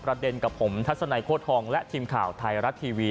ประเด็นกับผมทัศนัยโค้ทองและทีมข่าวไทยรัฐทีวี